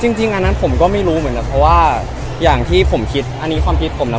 จริงอันนั้นผมก็ไม่รู้เหมือนกันเพราะว่าอย่างที่ผมคิดอันนี้ความคิดผมนะ